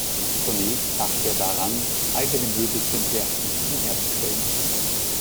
Zunächst dachte er daran, eigene Möbel zu entwerfen und herzustellen.